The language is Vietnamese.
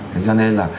thế cho nên là